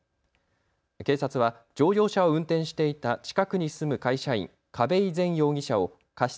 警察は乗用車を運転していた近くに住む会社員、嘉部井然容疑者を過失